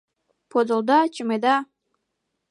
— Подылыда-чымеда!